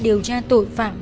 điều tra tội phạm